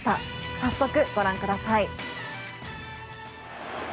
早速、ご覧ください。